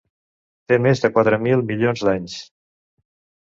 Té més de quatre mil milions d'anys.